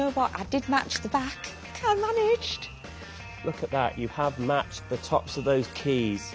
はい。